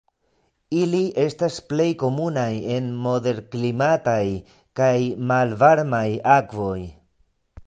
Ili estas plej komunaj en moderklimataj kaj malvarmaj akvoj.